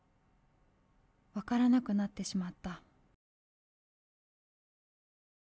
分からなくなってしまった。